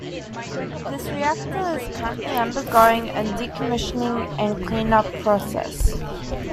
This reactor is currently undergoing a decommissioning and cleanup process.